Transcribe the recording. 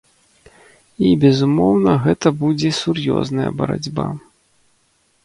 І безумоўна, гэта будзе сур'ёзная барацьба.